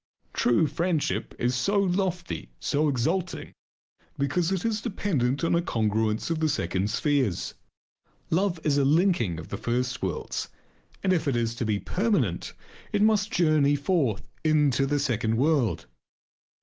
True friendship is so lofty, so exalting, because it is dependent upon a congruence of the second spheres. Love is a linking of the first worlds and if it is to be permanent it must journey forth into the second world.